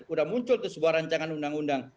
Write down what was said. udah muncul tuh sebuah rancangan undang undang